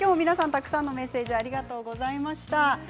たくさんのメッセージありがとうございます。